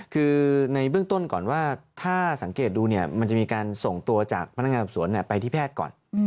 คือในเบื้องต้นก่อนว่าถ้าสังเกตดูเนี่ยมันจะมีการส่งตัวจากพนักงานสอบสวนไปที่แพทย์ก่อน